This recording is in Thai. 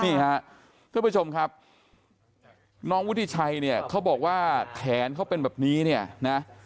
ท่านผู้ชมครับน้องวุฒิชัยเนี่ยเขาบอกว่าแขนเขาเป็นแบบนี้เนี่ยนะ